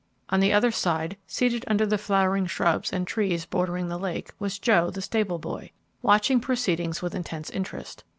On the other side, seated under the flowering shrubs and trees bordering the lake, was Joe, the stable boy, watching proceedings with intense interest.